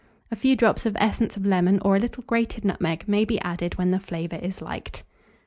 A few drops of essence of lemon, or a little grated nutmeg, may be added when the flavour is liked.